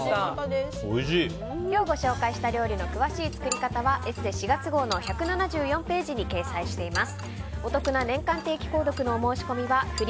今日ご紹介した料理の詳しい作り方は「ＥＳＳＥ」４月号の１７４ページに掲載しています。